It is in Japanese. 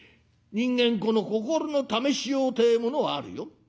人間この心の試しようてえものはあるよ。